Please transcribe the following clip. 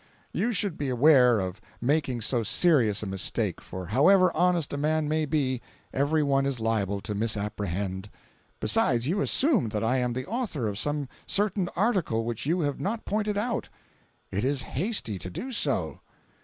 You should beware of making so serious a mistake, for however honest a man may be, every one is liable to misapprehend. Besides you assume that I am the author of some certain article which you have not pointed out. It is hasty to do so."